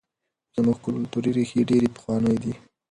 زموږ کلتوري ریښې ډېرې پخوانۍ دي.